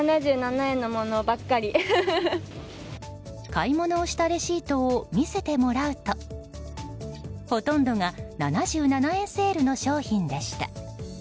買い物をしたレシートを見せてもらうとほとんどが７７円セールの商品でした。